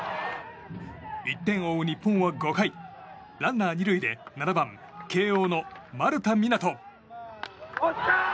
１点を追う日本は５回ランナー２塁で７番、慶應の丸田湊斗。